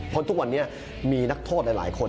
เพราะทุกวันนี้มีนักโทษหลายคน